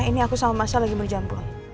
ini aku sama masa lagi berjampung